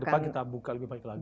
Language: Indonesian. ke depan kita buka lebih banyak lagi